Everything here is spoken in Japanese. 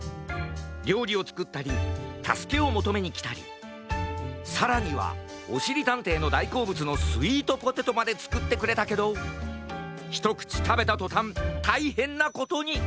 りょうりをつくったりたすけをもとめにきたりさらにはおしりたんていのだいこうぶつのスイートポテトまでつくってくれたけどひとくちたべたとたんたいへんなことに！